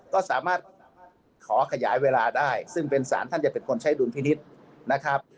ก็สามารถขอขยายเวลาได้ซึ่งเป็นสารท่านจะเป็นคนใช้ดุลพินิษฐ์นะครับ